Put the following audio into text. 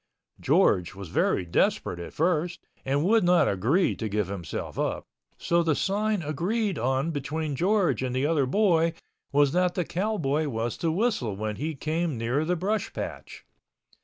George was very desperate at first and would not agree to give himself up—so the sign agreed on between George and the other boy was that the cowboy was to whistle When he came near the brush patch.